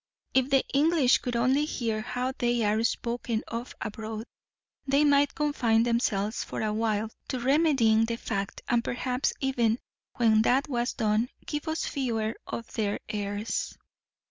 If the English could only hear how they are spoken of abroad, they might confine themselves for a while to remedying the fact; and perhaps even when that was done, give us fewer of their airs.